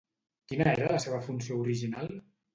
Quina era la seva funció original?